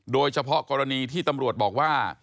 โดยเฉพาะกรณีที่ตำรวจบอกว่า